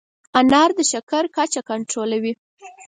انار د شکر کچه کنټرولوي.